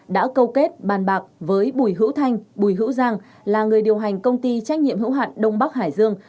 đã câu kết bàn bạc với bùi hữu thanh bùi hữu giang là người điều hành công ty trách nhiệm hữu hạn đông bắc hải dương